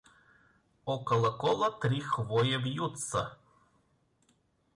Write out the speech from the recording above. Около кола три хвоя вьются.